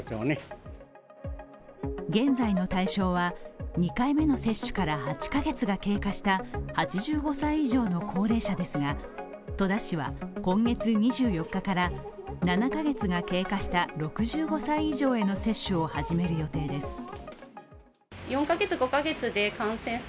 現在の対象は２回目の接種から８カ月が経過した８５歳以上の高齢者ですが戸田市は今月２４日から７カ月が経過した６５歳以上への接種を始める予定です。